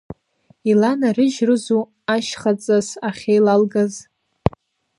Иланарыжьрызу ашьха ҵас ахьеилалгаз?